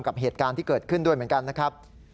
กับเหตุการณ์ที่เกิดขึ้นด้วยเหมือนกันนะครับ